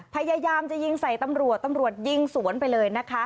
พยายามจะยิงใส่ตำรวจตำรวจยิงสวนไปเลยนะคะ